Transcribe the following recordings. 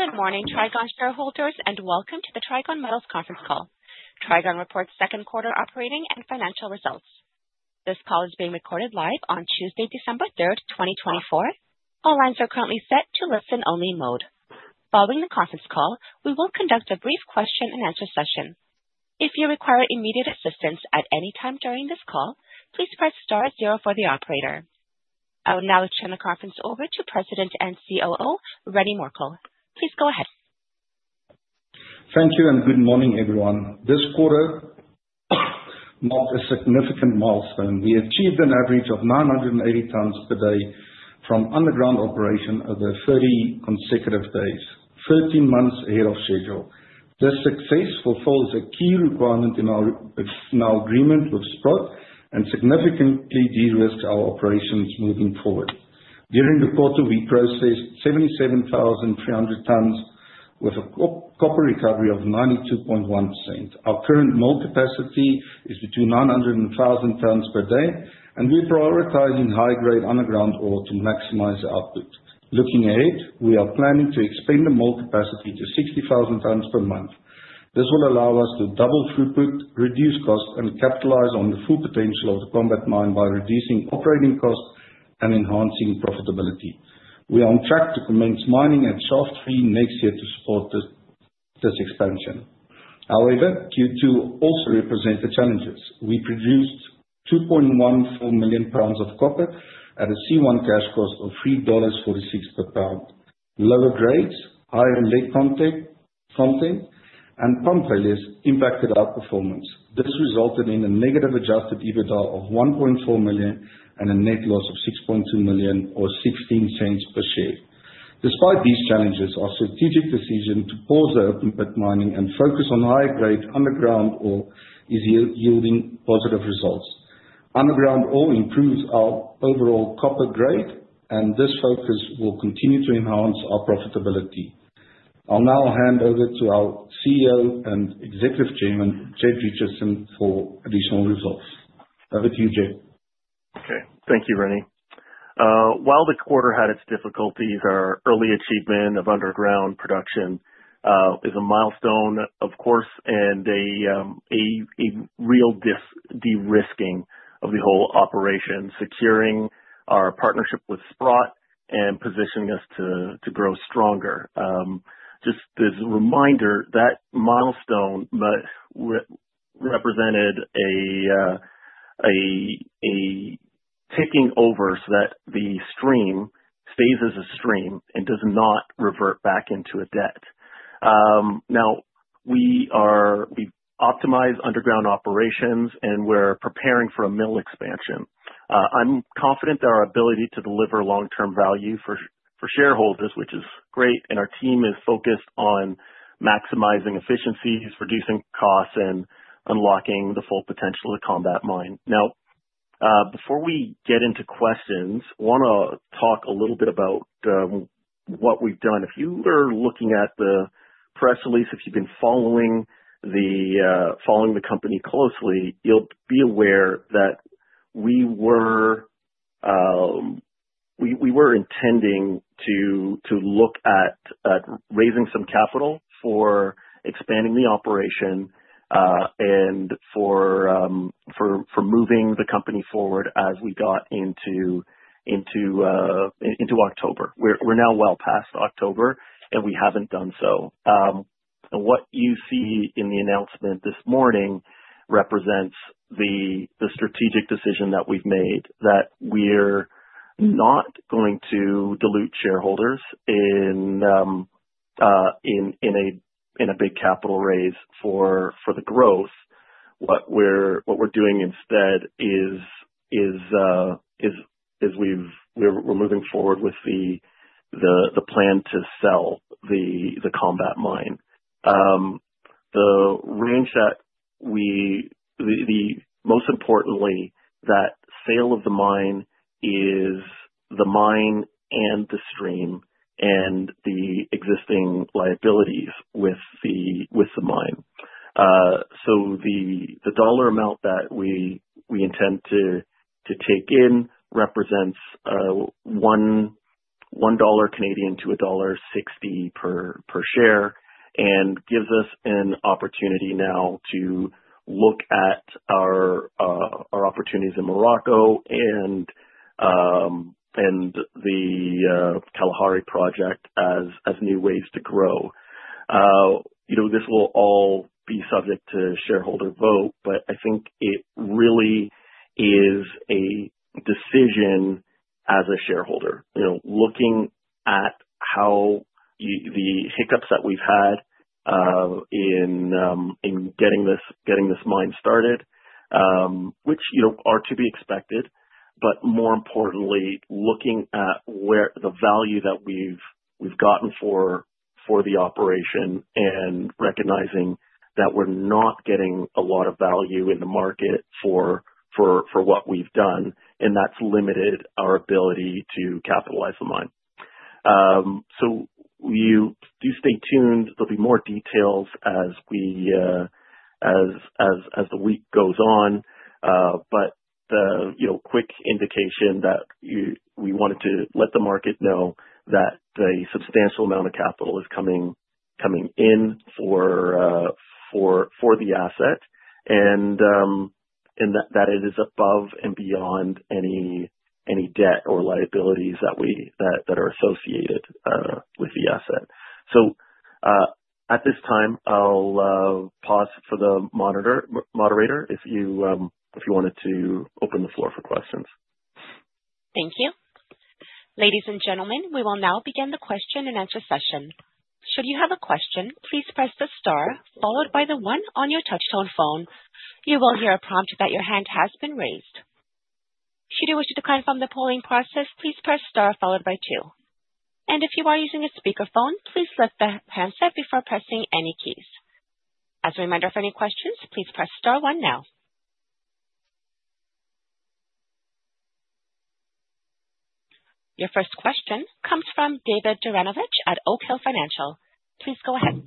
Good morning, Trigon shareholders, and welcome to the Trigon Metals Conference Call. Trigon Reports Second Quarter Operating and Financial Results. This call is being recorded live on Tuesday, December 3rd, 2024. All lines are currently set to listen-only mode. Following the conference call, we will conduct a brief question-and-answer session. If you require immediate assistance at any time during this call, please press star zero for the operator. I will now turn the conference over to President and COO, Rennie Morkel. Please go ahead. Thank you, and good morning, everyone. This quarter marked a significant milestone. We achieved an average of 980 tons per day from underground operation over 30 consecutive days, 13 months ahead of schedule. This success fulfills a key requirement in our agreement with Sprott and significantly de-risked our operations moving forward. During the quarter, we processed 77,300 tons with a copper recovery of 92.1%. Our current mill capacity is between 900 and 1,000 tons per day, and we're prioritizing high-grade underground ore to maximize output. Looking ahead, we are planning to expand the mill capacity to 60,000 tons per month. This will allow us to double throughput, reduce cost, and capitalize on the full potential of the Kombat Mine by reducing operating costs and enhancing profitability. We are on track to commence mining at Shaft 3 next year to support this expansion. However, Q2 also represents the challenges. We produced 2.14 million pounds of copper at a C1 cash cost of $3.46 per pound. Lower grades, higher lead content, and pump failures impacted our performance. This resulted in a negative adjusted EBITDA of $1.4 million and a net loss of $6.2 million, or $0.16 per share. Despite these challenges, our strategic decision to pause the open-pit mining and focus on high-grade underground ore is yielding positive results. Underground ore improves our overall copper grade, and this focus will continue to enhance our profitability. I'll now hand over to our CEO and Executive Chairman, Jed Richardson, for additional results. Over to you, Jed. Okay. Thank you, Rennie. While the quarter had its difficulties, our early achievement of underground production is a milestone, of course, and a real de-risking of the whole operation, securing our partnership with Sprott and positioning us to grow stronger. Just as a reminder, that milestone represented a taking over so that the stream stays as a stream and does not revert back into a debt. Now, we optimize underground operations, and we're preparing for a mill expansion. I'm confident that our ability to deliver long-term value for shareholders, which is great, and our team is focused on maximizing efficiencies, reducing costs, and unlocking the full potential of the Kombat Mine. Now, before we get into questions, I want to talk a little bit about what we've done. If you are looking at the press release, if you've been following the company closely, you'll be aware that we were intending to look at raising some capital for expanding the operation and for moving the company forward as we got into October. We're now well past October, and we haven't done so, and what you see in the announcement this morning represents the strategic decision that we've made that we're not going to dilute shareholders in a big capital raise for the growth. What we're doing instead is we're moving forward with the plan to sell the Kombat Mine. The most importantly, that sale of the mine is the mine and the stream and the existing liabilities with the mine. The dollar amount that we intend to take in represents 1 dollar - dollar 1.60 per share and gives us an opportunity now to look at our opportunities in Morocco and the Kalahari project as new ways to grow. This will all be subject to shareholder vote, but I think it really is a decision as a shareholder, looking at the hiccups that we've had in getting this mine started, which are to be expected. But more importantly, looking at the value that we've gotten for the operation and recognizing that we're not getting a lot of value in the market for what we've done, and that's limited our ability to capitalize the mine. Do stay tuned. There'll be more details as the week goes on, but the quick indication that we wanted to let the market know that a substantial amount of capital is coming in for the asset and that it is above and beyond any debt or liabilities that are associated with the asset. So at this time, I'll pause for the moderator if you wanted to open the floor for questions. Thank you. Ladies and gentlemen, we will now begin the question-and-answer session. Should you have a question, please press the star followed by the one on your touchtone phone. You will hear a prompt that your hand has been raised. Should you wish to decline from the polling process, please press star followed by two, and if you are using a speakerphone, please lift the handset before pressing any keys. As a reminder, for any questions, please press star one now. Your first question comes from David Juranovic Oak Hill Financial. please go ahead.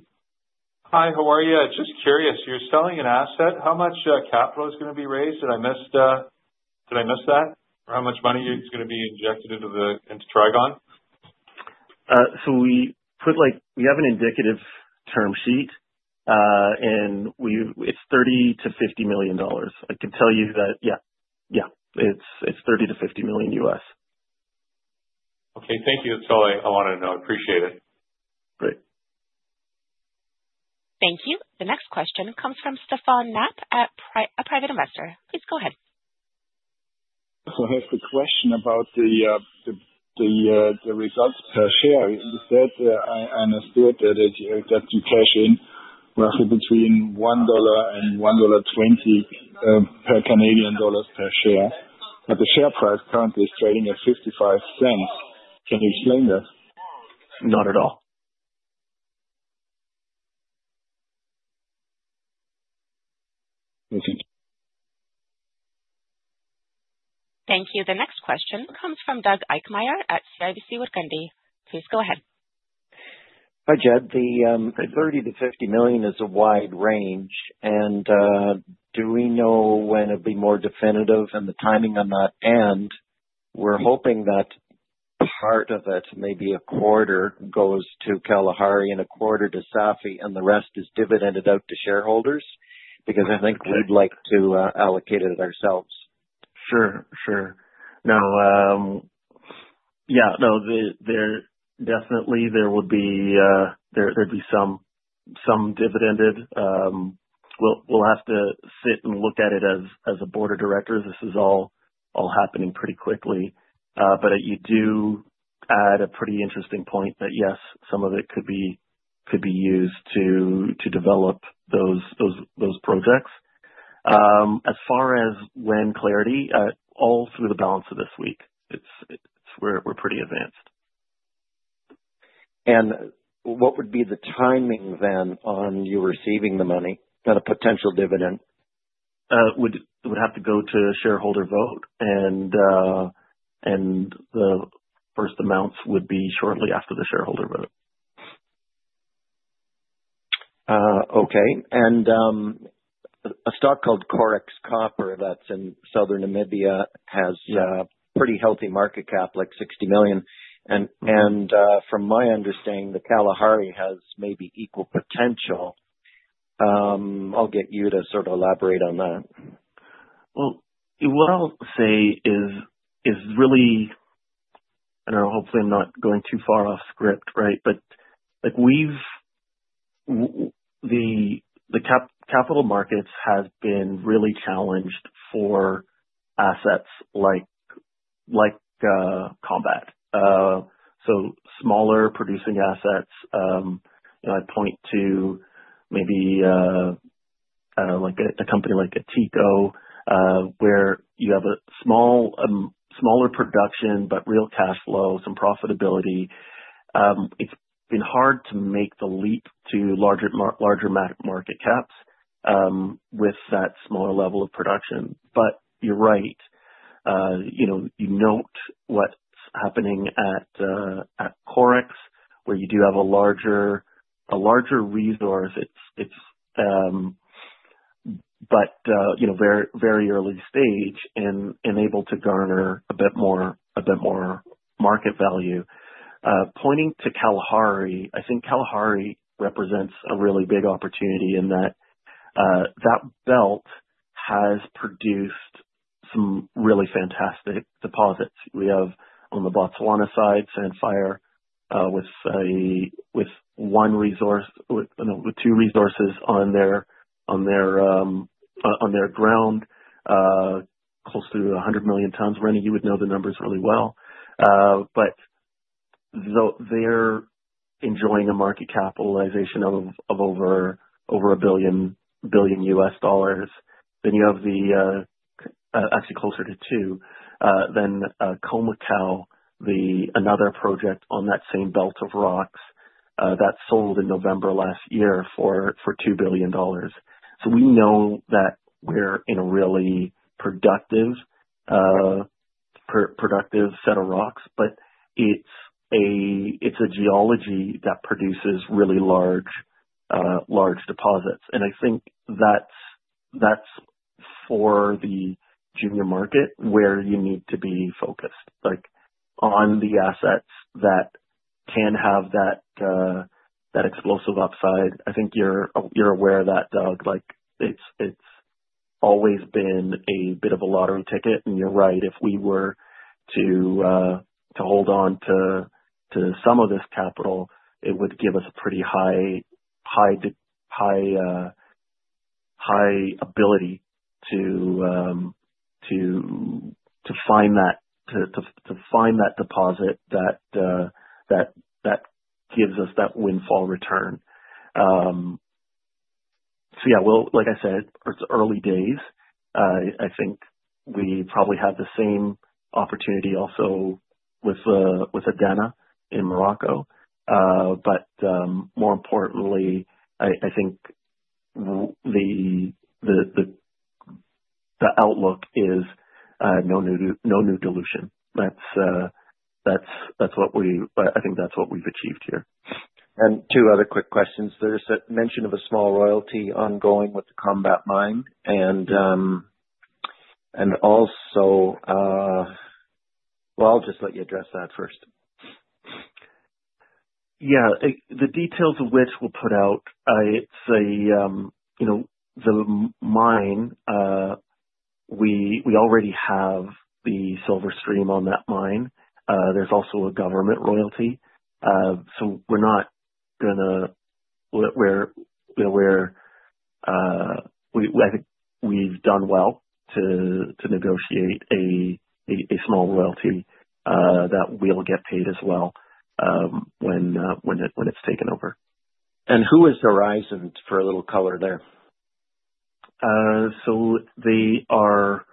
Hi, how are you? Just curious. You're selling an asset. How much capital is going to be raised? Did I miss that? Or how much money is going to be injected into Trigon? So we have an indicative term sheet, and it's $30-$50 million. I can tell you that, yeah. Yeah, it's $30-$50 million U.S. Okay. Thank you. That's all I wanted to know. I appreciate it. Great. Thank you. The next question comes from Stefan Knapp, a private investor. Please go ahead. I have a question about the results per share. You said I understood that you cash in roughly between $1-$1.20 per Canadian dollar per share. But the share price currently is trading at $0.55. Can you explain that? Not at all. Thank you. The next question comes from Doug Eichmeyer at CIBC Wood Gundy. Please go ahead. Hi, Jed. The $30-$50 million is a wide range. And do we know when it'll be more definitive? And the timing on that end, we're hoping that part of it, maybe a quarter, goes to Kalahari and a quarter to Safi, and the rest is dividended out to shareholders because I think we'd like to allocate it ourselves. Sure. Sure. Now, yeah, no, definitely there would be some dividends. We'll have to sit and look at it as a board of directors. This is all happening pretty quickly, but you do add a pretty interesting point that, yes, some of it could be used to develop those projects. As far as when clarity all through the balance of this week, we're pretty advanced. What would be the timing then on you receiving the money? Kind of potential dividend? It would have to go to shareholder vote, and the first amounts would be shortly after the shareholder vote. Okay. And a stock called Kombat Copper that's in Southern Namibia has pretty healthy market cap, like 60 million. And from my understanding, the Kalahari has maybe equal potential. I'll get you to sort of elaborate on that. What I'll say is really, and hopefully I'm not going too far off script, right, but the capital markets have been really challenged for assets like Kombat. So smaller producing assets. I point to maybe a company like Atico, where you have a smaller production but real cash flow, some profitability. It's been hard to make the leap to larger market caps with that smaller level of production. But you're right. You note what's happening at Cobre, where you do have a larger resource. It's very early stage and able to garner a bit more market value. Pointing to Kalahari, I think Kalahari represents a really big opportunity in that that belt has produced some really fantastic deposits. We have on the Botswana side, Sandfire, with two resources on their ground, close to 100 million tons. Rennie, you would know the numbers really well. But they're enjoying a market capitalization of over $1 billion. Then you have the, actually closer to two, then Khoemacau, another project on that same belt of rocks that sold in November last year for $2 billion. So we know that we're in a really productive set of rocks, but it's a geology that produces really large deposits. And I think that's for the junior market where you need to be focused on the assets that can have that explosive upside. I think you're aware of that, Doug. It's always been a bit of a lottery ticket. And you're right. If we were to hold on to some of this capital, it would give us a pretty high ability to find that deposit that gives us that windfall return. So yeah, like I said, it's early days. I think we probably have the same opportunity also with Addana in Morocco. But more importantly, I think the outlook is no new dilution. That's what I think we've achieved here. Two other quick questions. There's a mention of a small royalty ongoing with the Kombat Mine. Also, well, I'll just let you address that first. Yeah. The details of which we'll put out. It's the mine. We already have the silver stream on that mine. There's also a government royalty. So we're not going to—we're aware we've done well to negotiate a small royalty that we'll get paid as well when it's taken over. Who is Orion for a little color there? So they are,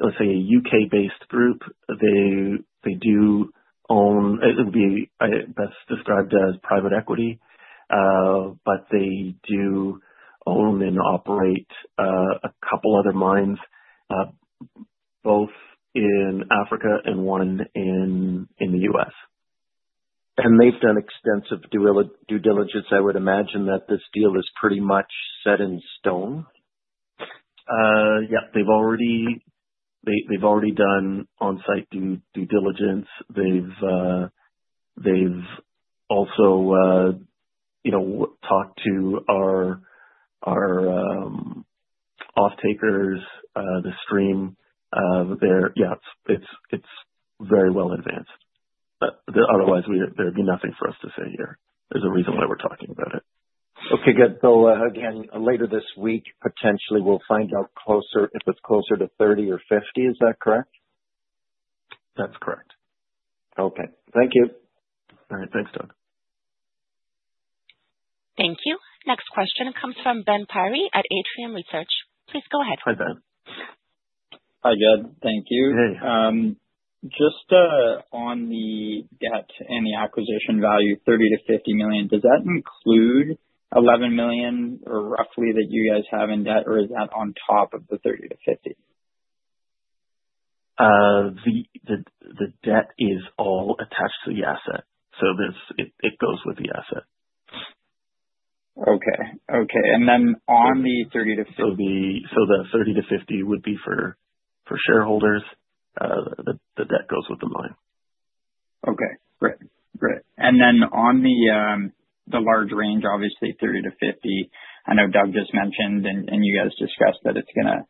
let's say, a U.K.-based group. They do own, it would be best described as private equity, but they do own and operate a couple of other mines, both in Africa and one in the U.S. They've done extensive due diligence. I would imagine that this deal is pretty much set in stone. Yep. They've already done on-site due diligence. They've also talked to our off-takers, the stream. Yeah, it's very well advanced. Otherwise, there'd be nothing for us to say here. There's a reason why we're talking about it. Okay. Good. So again, later this week, potentially, we'll find out if it's closer to 30 or 50. Is that correct? That's correct. Okay. Thank you. All right. Thanks, Doug. Thank you. Next question comes from Ben Pirie at Atrium Research. Please go ahead. Hi, Ben. Hi, Jed. Thank you. Just on the debt and the acquisition value, $30-$50 million, does that include roughly $11 million that you guys have in debt, or is that on top of the $30-$50? The debt is all attached to the asset. So it goes with the asset. Okay. And then on the $30-$50. So the $30-50 would be for shareholders. The debt goes with the mine. Okay. Great. Great. And then on the large range, obviously, 30-50, I know Doug just mentioned and you guys discussed that it's going to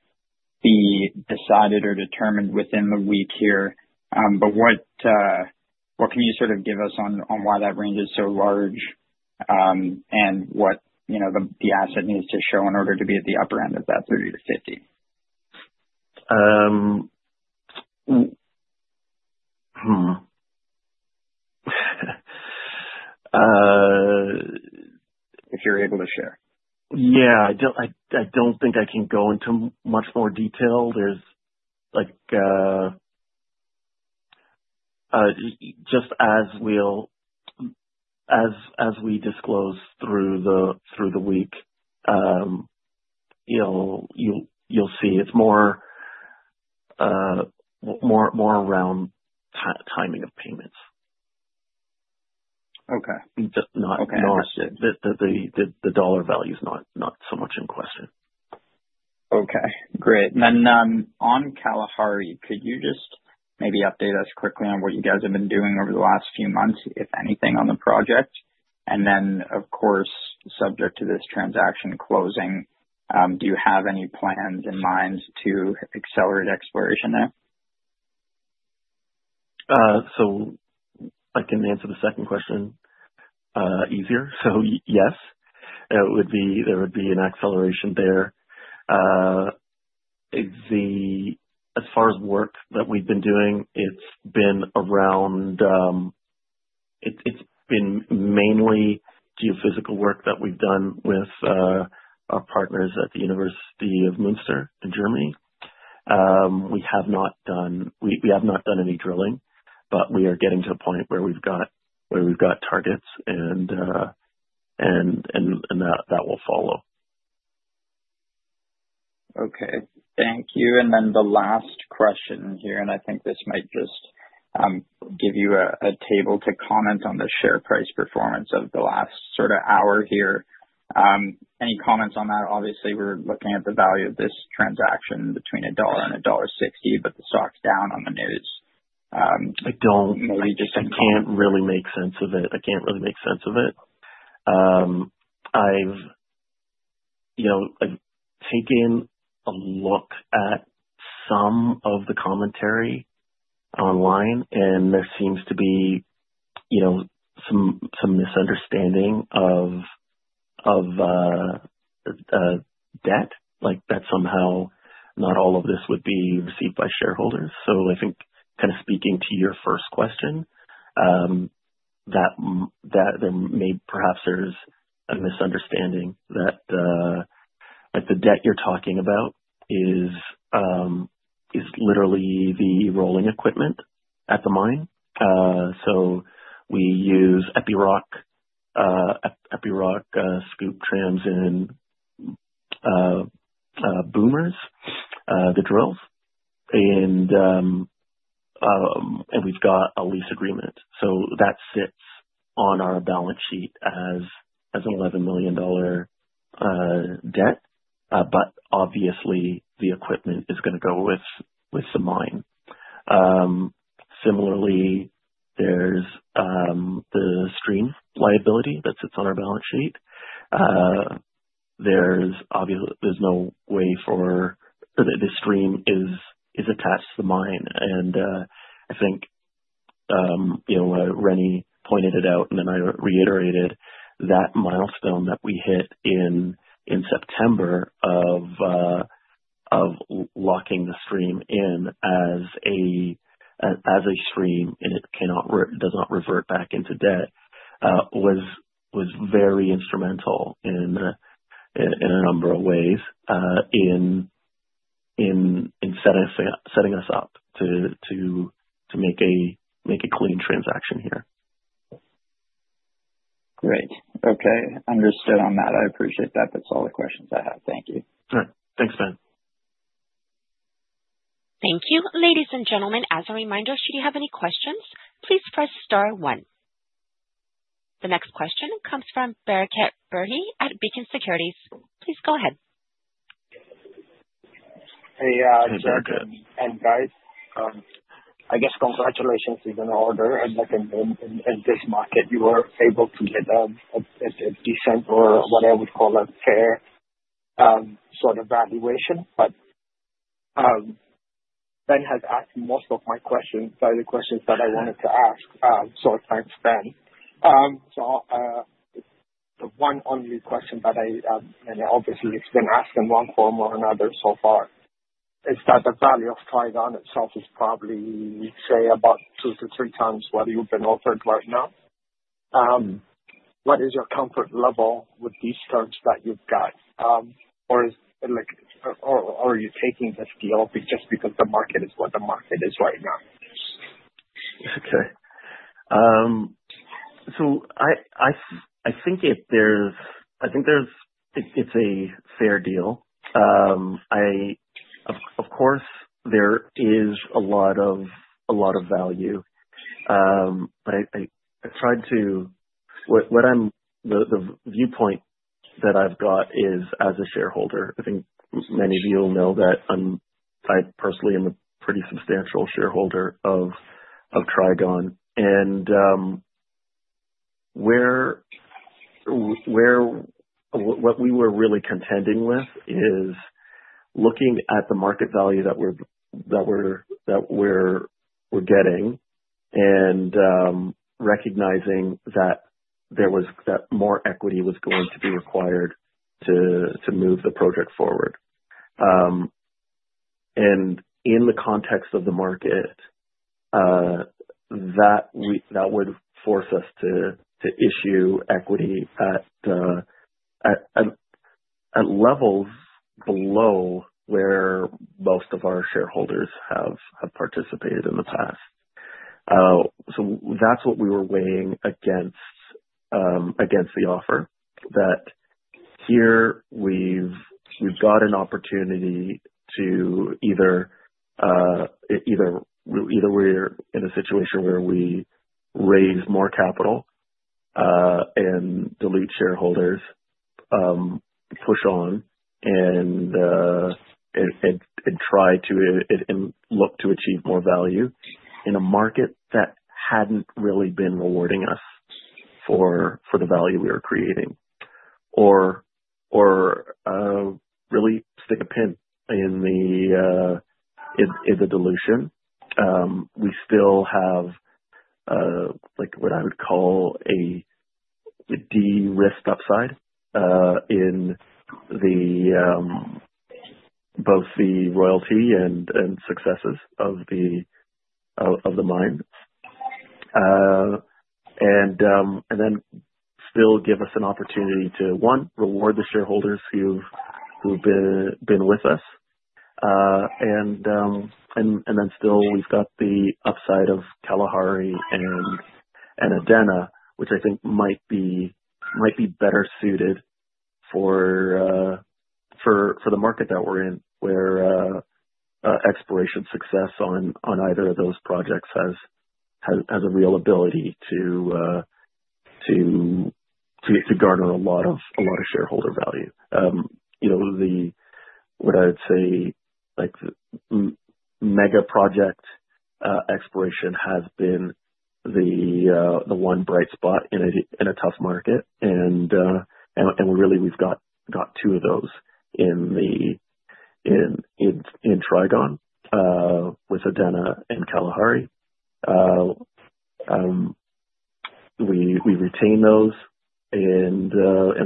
be decided or determined within the week here. But what can you sort of give us on why that range is so large and what the asset needs to show in order to be at the upper end of that 30-50? If you're able to share. Yeah. I don't think I can go into much more detail. Just as we disclose through the week, you'll see it's more around timing of payments. Okay. Okay. No, the dollar value is not so much in question. Okay. Great. And then on Kalahari, could you just maybe update us quickly on what you guys have been doing over the last few months, if anything, on the project? And then, of course, subject to this transaction closing, do you have any plans in mind to accelerate exploration there? So I can answer the second question easier. So yes, there would be an acceleration there. As far as work that we've been doing, it's been around mainly geophysical work that we've done with our partners at the University of Münster in Germany. We have not done any drilling, but we are getting to a point where we've got targets, and that will follow. Okay. Thank you. And then the last question here, and I think this might just give you a table to comment on the share price performance of the last sort of hour here. Any comments on that? Obviously, we're looking at the value of this transaction between $1 and $1.60, but the stock's down on the news. I don't. Maybe just some. I can't really make sense of it. I've taken a look at some of the commentary online, and there seems to be some misunderstanding of debt, that somehow not all of this would be received by shareholders. So I think kind of speaking to your first question, that there may perhaps there's a misunderstanding that the debt you're talking about is literally the rolling equipment at the mine. So we use Epiroc Scooptrams and Boomers, the drills, and we've got a lease agreement. So that sits on our balance sheet as an $11 million debt. But obviously, the equipment is going to go with the mine. Similarly, there's the stream liability that sits on our balance sheet. There's no way for the stream is attached to the mine. And I think Rennie pointed it out, and then I reiterated that milestone that we hit in September of locking the stream in as a stream, and it does not revert back into debt, was very instrumental in a number of ways in setting us up to make a clean transaction here. Great. Okay. Understood on that. I appreciate that. That's all the questions I have. Thank you. All right. Thanks, Ben. Thank you. Ladies and gentlemen, as a reminder, should you have any questions, please press star one. The next question comes from Bereket Berhe at Beacon Securities. Please go ahead. Hey, Jed. And guys, I guess congratulations is in order. And in this market, you were able to get a decent or what I would call a fair sort of valuation. But Ben has asked most of my questions, the questions that I wanted to ask. So thanks, Ben. So the one only question that I, and obviously, it's been asked in one form or another so far, is that the value of Trigon itself is probably, say, about two to three times what you've been offered right now. What is your comfort level with these terms that you've got? Or are you taking this deal just because the market is what the market is right now? Okay. So I think it's a fair deal. Of course, there is a lot of value. But I tried to, the viewpoint that I've got is as a shareholder. I think many of you will know that I personally am a pretty substantial shareholder of Trigon. And what we were really contending with is looking at the market value that we're getting and recognizing that more equity was going to be required to move the project forward. And in the context of the market, that would force us to issue equity at levels below where most of our shareholders have participated in the past. So that's what we were weighing against the offer, that here we've got an opportunity to either we're in a situation where we raise more capital and dilute shareholders, push on, and try to look to achieve more value in a market that hadn't really been rewarding us for the value we were creating, or really stick a pin in the dilution. We still have what I would call a de-risked upside in both the royalty and successes of the mine. And then still give us an opportunity to, one, reward the shareholders who've been with us. And then still, we've got the upside of Kalahari and Addana, which I think might be better suited for the market that we're in, where exploration success on either of those projects has a real ability to garner a lot of shareholder value. What I would say, mega project exploration has been the one bright spot in a tough market. Really, we've got two of those in Trigon with Addana and Kalahari. We retain those, and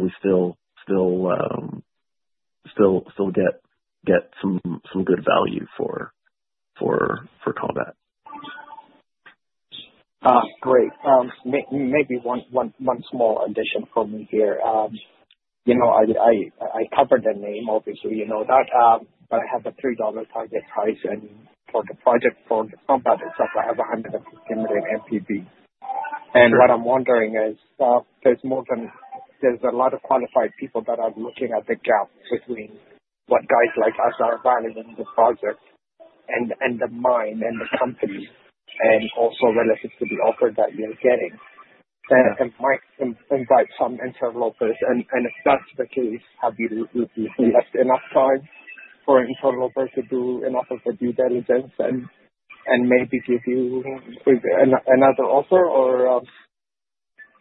we still get some good value for Kombat. Great. Maybe one small addition for me here. I covered the name, obviously. But I have a $3 target price for the project for the Kombat. It's up to 150 million mcap. And what I'm wondering is there's a lot of qualified people that are looking at the gap between what guys like us are valuing the project and the mine and the company and also relative to the offer that you're getting. That might invite some interlopers. And if that's the case, have you left enough time for interlopers to do enough of the due diligence and maybe give you another offer? Or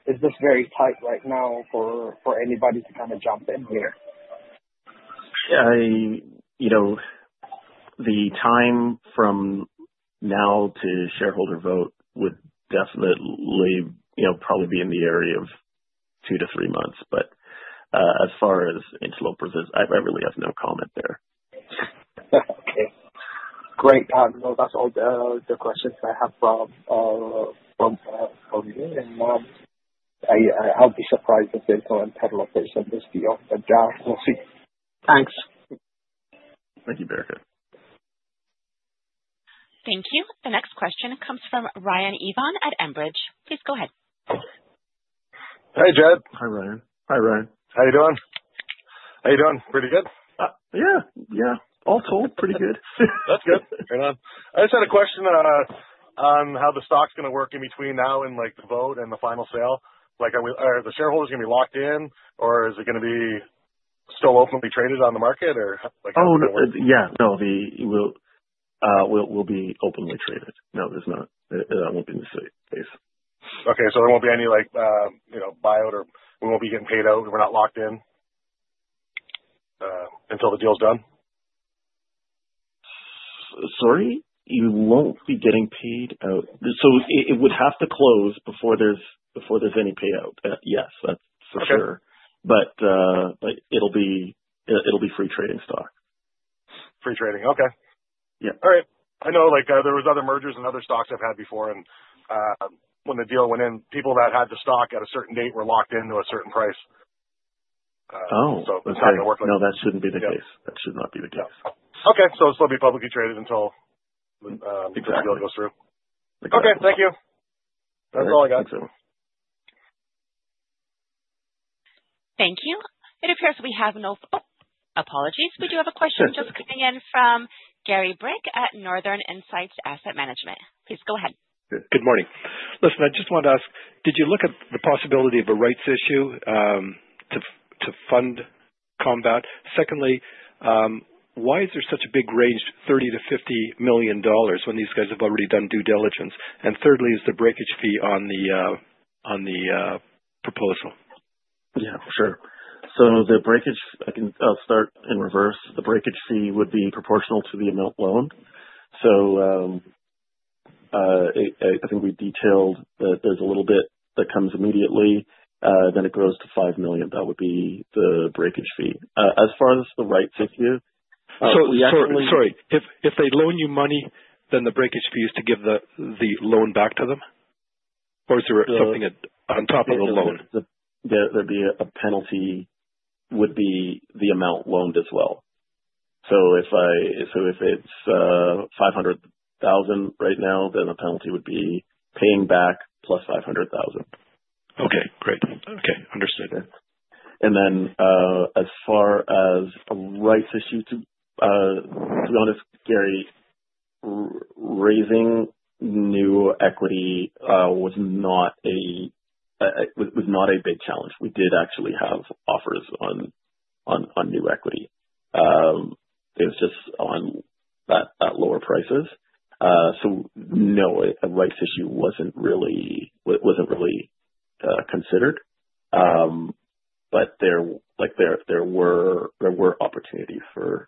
is this very tight right now for anybody to kind of jump in here? The time from now to shareholder vote would definitely probably be in the area of two to three months. But as far as interlopers is, I really have no comment there. Okay. Great. No, that's all the questions I have from you, and I'll be surprised if there's no interlopers in this deal, but yeah, we'll see. Thanks. Thank you, Bereket. Thank you. The next question comes from Ryan Ivan at Enbridge. Please go ahead. Hey, Jed. Hi, Ryan. Hi, Ryan. How you doing? How you doing? Pretty good? Yeah. Yeah. All told, pretty good. That's good. Right on. I just had a question on how the stock's going to work in between now and the vote and the final sale. Are the shareholders going to be locked in, or is it going to be still openly traded on the market, or how does that work? Oh, yeah. No, we'll be openly traded. No, there's not. That won't be the case. Okay. So there won't be any buyout, or we won't be getting paid out if we're not locked in until the deal's done? Sorry? You won't be getting paid out. So it would have to close before there's any payout. Yes, that's for sure. But it'll be free trading stock. Free trading. Okay. Yeah. All right. I know there were other mergers and other stocks I've had before, and when the deal went in, people that had the stock at a certain date were locked in to a certain price, so that's how it's going to work. No, that shouldn't be the case. That should not be the case. Okay. So it'll still be publicly traded until the deal goes through? Exactly. Okay. Thank you. That's all I got. Thanks, Ben. Thank you. It appears that we have no. Oh, apologies. We do have a question just coming in from Gary Brink at Northern Insights Asset Management. Please go ahead. Good morning. Listen, I just wanted to ask, did you look at the possibility of a rights issue to fund Kombat? Secondly, why is there such a big range, $30-$50 million, when these guys have already done due diligence? And thirdly, is the breakage fee on the proposal? Yeah, for sure. So the breakage, I'll start in reverse. The breakage fee would be proportional to the amount loaned. So I think we detailed that there's a little bit that comes immediately, then it grows to 5 million. That would be the breakage fee. As far as the rights issue - Sorry. Sorry. If they loan you money, then the breakage fee is to give the loan back to them? Or is there something on top of the loan? There'd be a penalty, would be the amount loaned as well. So if it's $500,000 right now, then the penalty would be paying back plus $500,000. Okay. Great. Okay. Understood. And then, as far as rights issues, to be honest, Gary, raising new equity was not a big challenge. We did actually have offers for new equity. It was just at those lower prices. So, no, a rights issue wasn't really considered. But there were opportunities for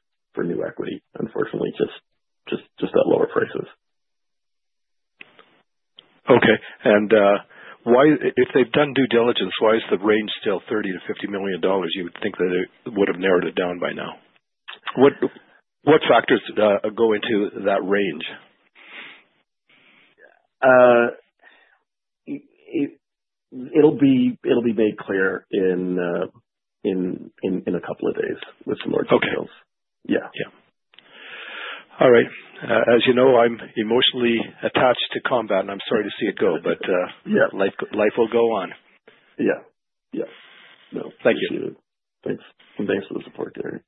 new equity, unfortunately, just at lower prices. Okay. And if they've done due diligence, why is the range still $30-$50 million? You would think that it would have narrowed it down by now. What factors go into that range? It'll be made clear in a couple of days with some more details. Yeah. Yeah. All right. As you know, I'm emotionally attached to Kombat, and I'm sorry to see it go. But life will go on. Yeah. Yeah. Thank you. Thanks for the support, Gary.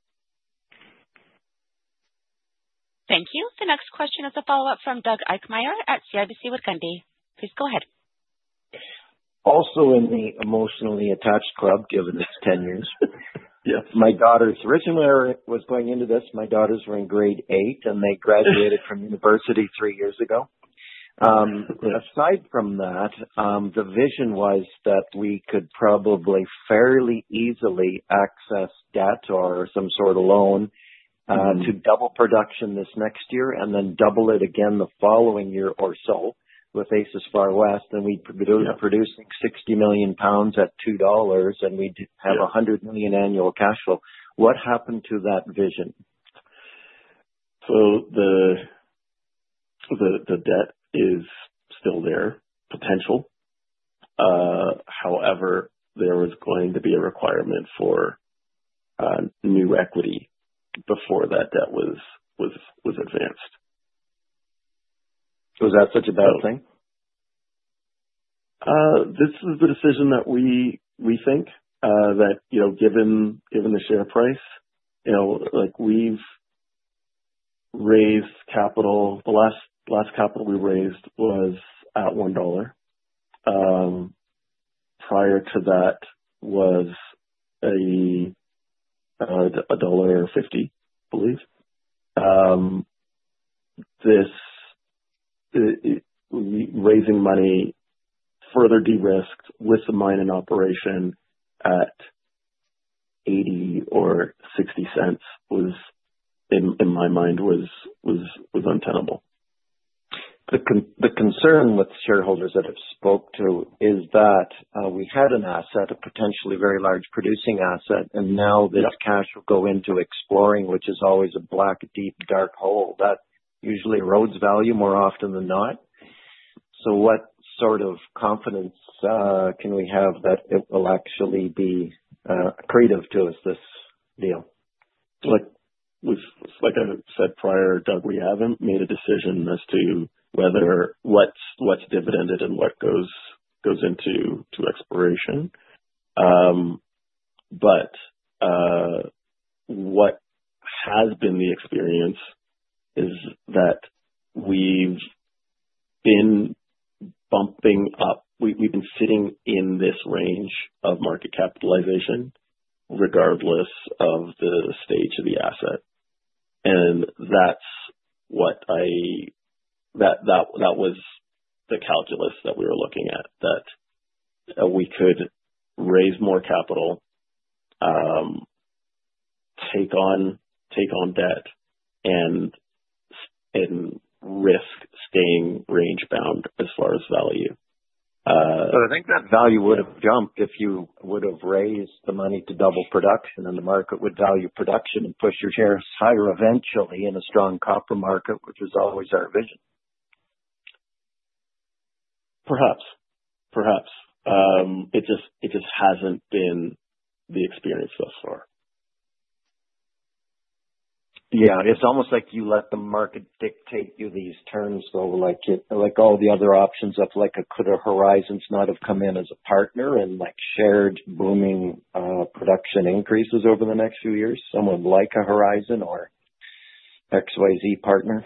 Thank you. The next question is a follow-up from Doug Eichmeyer at CIBC Wood Gundy. Please go ahead. Also in the emotionally attached club, given it's 10 years. My daughters, originally, I was going into this. My daughters were in grade eight, and they graduated from university three years ago. Aside from that, the vision was that we could probably fairly easily access debt or some sort of loan to double production this next year and then double it again the following year or so with Asis Far West, and we'd be producing 60 million pounds at $2, and we'd have $100 million annual cash flow. What happened to that vision? So, the debt is still there, potential. However, there was going to be a requirement for new equity before that debt was advanced. Was that such a bad thing? This is the decision that we think that given the share price, we've raised capital. The last capital we raised was at CAD 1. Prior to that was a 1.50 dollar, I believe. Raising money further de-risked with the mine in operation at 0.80 or 0.60 was, in my mind, untenable. The concern with shareholders that I've spoken to is that we had an asset, a potentially very large producing asset, and now this cash will go into exploring, which is always a black, deep, dark hole that usually erodes value more often than not. So what sort of confidence can we have that it will actually be accretive to us this deal? Like I said prior, Doug, we haven't made a decision as to what's dividended and what goes into exploration. But what has been the experience is that we've been bumping up. We've been sitting in this range of market capitalization regardless of the stage of the asset. And that's what I—that was the calculus that we were looking at, that we could raise more capital, take on debt, and risk staying range-bound as far as value. So I think that value would have jumped if you would have raised the money to double production, and the market would value production and push your shares higher eventually in a strong copper market, which was always our vision. Perhaps. Perhaps. It just hasn't been the experience thus far. Yeah. It's almost like you let the market dictate you these terms. So like all the other options, could a Orion not have come in as a partner and shared booming production increases over the next few years? Someone like a Orion or XYZ partner?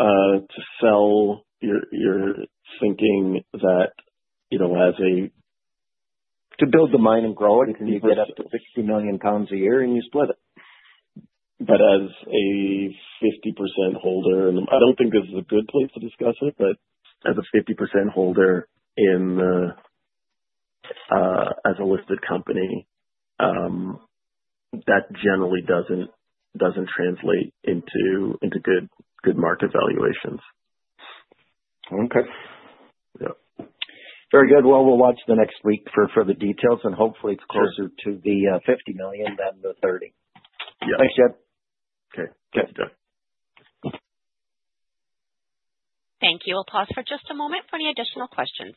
To sell, you're thinking that as a—to build the mine and grow it, you can get up to 60 million pounds a year, and you split it. But as a 50% holder - and I don't think this is a good place to discuss it, but as a 50% holder as a listed company, that generally doesn't translate into good market valuations. Okay. Very good, well, we'll watch the next week for further details, and hopefully, it's closer to the $50 million than the $30. Yes. Thanks, Jed. Okay. Thanks, Doug. Thank you. I'll pause for just a moment for any additional questions.